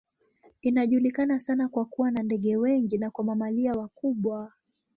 Inajulikana sana kwa kuwa na ndege wengi na kwa mamalia wakubwa.